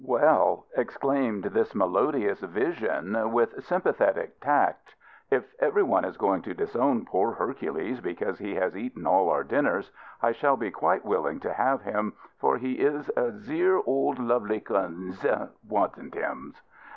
"Well," exclaimed this melodious vision, with sympathetic tact, "if every one is going to disown poor Hercules because he has eaten all our dinners, I shall be quite willing to have him, for he is a dzear ole loveykins, wasn't ums?"